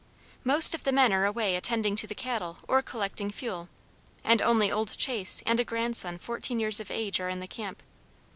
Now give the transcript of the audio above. Most of the men are away attending to the cattle or collecting fuel, and only old Chase and a grandson fourteen years of age are in the camp.